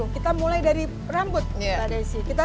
kita mulai dari rambut mbak desi